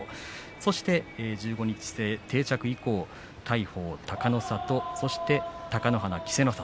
そして１５日制定着以降大鵬、隆の里貴乃花、稀勢の里